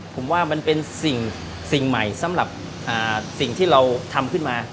ผมว่ามันเป็นสิ่งใหม่สำหรับสิ่งที่เราทำขึ้นมา